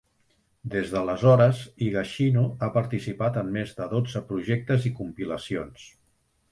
Des d'aleshores, Higashino ha participat en més de dotze projectes i compilacions.